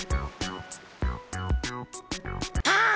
ああ！